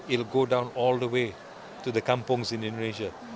akan menurun sampai ke kampung di indonesia